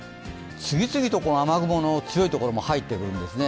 次々と雨雲の強いところが入ってくるんですね。